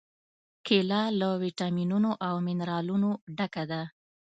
کېله له واټامینونو او منرالونو ډکه ده.